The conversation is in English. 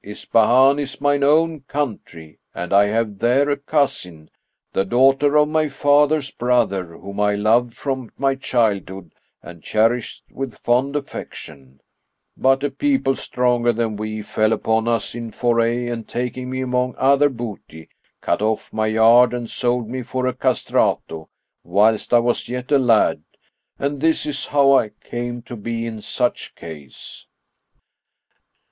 Ispahan is mine own country and I have there a cousin, the daughter of my father's brother, whom I loved from my childhood and cherished with fond affection; but a people stronger than we fell upon us in foray and taking me among other booty, cut off my yard[FN#58] and sold me for a castrato, whilst I was yet a lad; and this is how I came to be in such case."